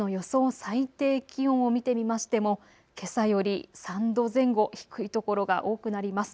最低気温を見てみましてもけさより３度前後低い所が多くなります。